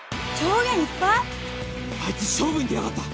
あいつ勝負に出やがった。